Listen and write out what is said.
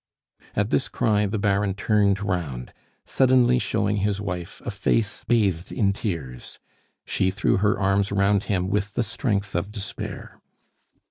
At this cry the Baron turned round, suddenly showing his wife a face bathed in tears; she threw her arms round him with the strength of despair.